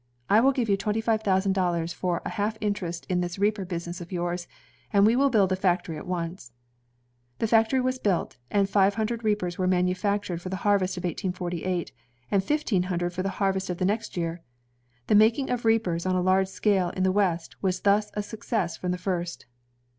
I will give you twenty five thousand dollars for a half interest in this reaper business of yours, and we will build a factory at once." The factory was built, and five hundred reapers were manufactured for the harvest of 1848, and fifteen hundred for the harvest of the next year. The making of reapers on a large scale in the West was thus a success from the first.